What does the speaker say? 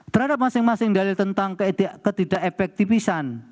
terhadap masing masing dalil tentang ketidak efektifan